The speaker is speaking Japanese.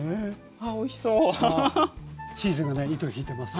あっチーズがね糸引いてます。